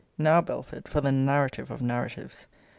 Now, Belford, for the narrative of narratives.